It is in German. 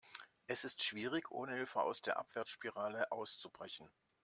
Es ist schwierig, ohne Hilfe aus der Abwärtsspirale auszubrechen.